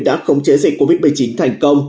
đã khống chế dịch covid một mươi chín thành công